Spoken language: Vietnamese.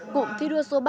cụm thi đua số ba